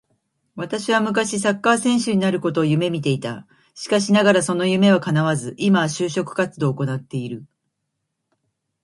私は昔サッカー選手になることを夢見ていた。しかしながらその夢は叶わず、今は就職活動を行ってる。